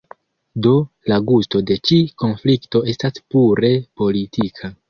Do, la gusto de ĉi konflikto estas pure politika.